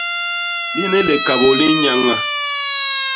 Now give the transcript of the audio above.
Lini likabô li nnyaña.